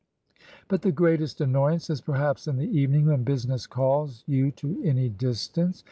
But the greatest annoyance is perhaps in the evening when business calls you to any distance.